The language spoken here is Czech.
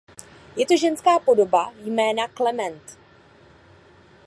Je to ženská podoba jména Klement.